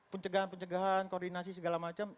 pencegahan pencegahan koordinasi segala macam